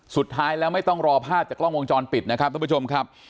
สุดท้ายแล้วไม่ต้องรอภาพจากกล้องวงจรปิดนะครับท่านผู้ชมครับ